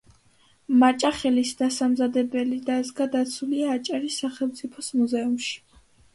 მაჭახელის დასამზადებელი დაზგა დაცულია აჭარის სახელმწიფო მუზეუმში.